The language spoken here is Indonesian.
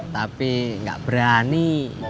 tapi gak berani